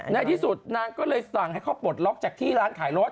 ในที่สุดนางก็เลยสั่งให้เขาปลดล็อกจากที่ร้านขายรถ